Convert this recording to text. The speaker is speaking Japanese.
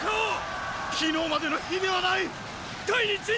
昨日までの比ではないっ！